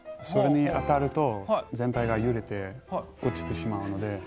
それに当たると全体がゆれて落ちてしまうので。